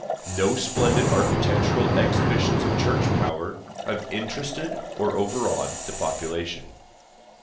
No splendid architectural exhibitions of Church power have interested or overawed the population.